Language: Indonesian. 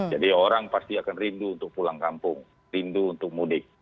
jadi orang pasti akan rindu untuk pulang kampung rindu untuk mudik